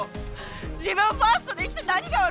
自分ファーストで生きて何が悪いのよ！